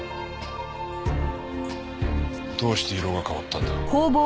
どうして色が変わったんだ？